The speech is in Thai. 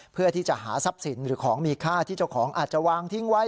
เพื่อที่จะหาทรัพย์สินหรือของมีค่าที่เจ้าของอาจจะวางทิ้งไว้